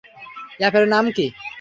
অ্যাপের নাম কী?